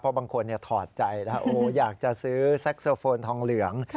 เพราะบางคนถอดใจอยากจะซื้อแซคโซโฟนทองเหลือง